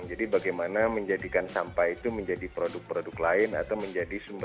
jadi bagaimana menjadikan sampah itu menjadi produk produk lain atau menjadi sampah